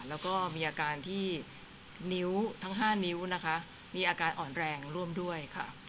แล้วก็มีอาการที่นิ้วทั้ง๕นิ้วนะคะมีอาการอ่อนแรงร่วมด้วยค่ะ